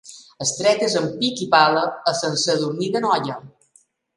Extretes amb pic i pala a Sant Sadurní d'Anoia.